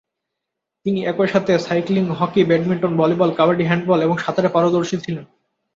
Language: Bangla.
তিনি একইসাথে cycling, hockey, badminton, volleyball, kabaddi, handball এবং সাঁতারে পারদর্শী ছিলেন।